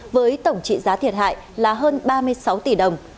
với tổng trị giá thiệt hại là hơn ba mươi sáu tỷ đồng